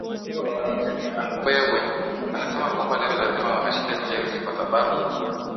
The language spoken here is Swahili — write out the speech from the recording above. anasema kwamba leo lazima washinde chelsea kwa sababu